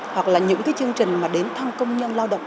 hoặc là những chương trình đến thăm công nhân lao động